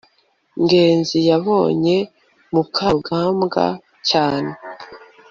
ngenzi yabonye mukarugambwa cyane